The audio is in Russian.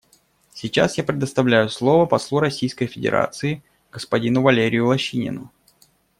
Сейчас я предоставляю слово послу Российской Федерации господину Валерию Лощинину.